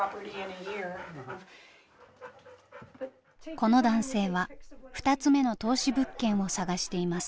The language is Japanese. この男性は２つ目の投資物件を探しています。